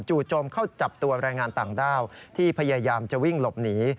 โจมเข้าจับตัวแรงงานต่างด้าวที่พยายามจะวิ่งหลบหนี